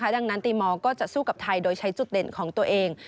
ดังนั้นตีมอลก็จะสู้กับไทยโดยใช้จุดเด่นของตัวเอง